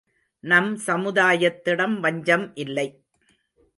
நம் சமுதாயத்திடம் வஞ்சம் இல்லை.